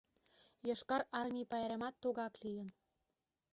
Йошкар Армий пайремат тугак лийын.